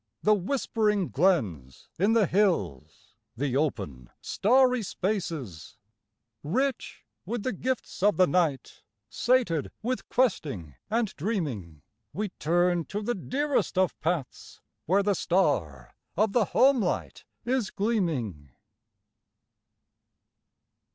The whispering glens in the hills, the open, starry spaces ; Rich with the gifts of the night, sated with questing and dreaming, We turn to the dearest of paths where the star of the homelight is gleaming.